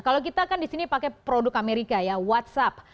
kalau kita kan di sini pakai produk amerika ya whatsapp